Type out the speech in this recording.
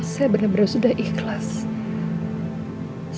saya benar benar sudah ikhlas